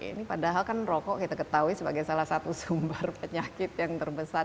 ini padahal kan rokok kita ketahui sebagai salah satu sumber penyakit yang terbesar